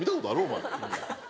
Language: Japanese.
お前。